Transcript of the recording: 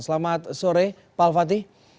selamat sore pak al fatih